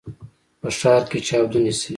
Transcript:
په ښار کې چاودنې شوي.